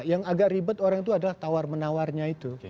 yang agak ribet orang itu adalah tawar menawarnya itu